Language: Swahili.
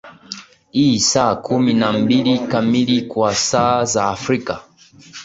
i saa kumi na mbili kamili kwa saa za afrika